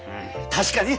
確かに。